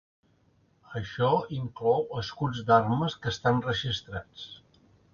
Això inclou escuts d'armes que estan registrats.